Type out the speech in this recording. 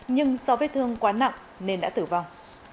nhưng do vết thương quá nặng nên đã tử vong